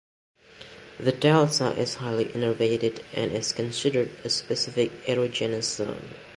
The delta is highly innervated, and is considered a specific erogenous zone.